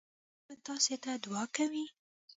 ټول خلک به تاسي ته دعا کوي.